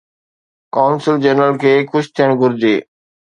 قونصل جنرل کي خوش ٿيڻ گهرجي.